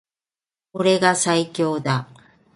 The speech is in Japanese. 俺が最強だ